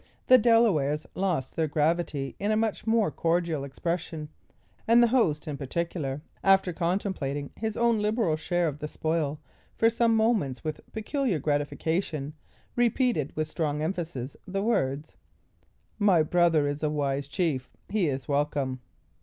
The Delawares lost their gravity in a much more cordial expression; and the host, in particular, after contemplating his own liberal share of the spoil for some moments with peculiar gratification, repeated with strong emphasis, the words: "My brother is a wise chief. He is welcome."